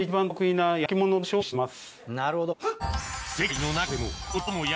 なるほど。